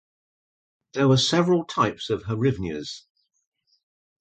There were several types of hryvnias.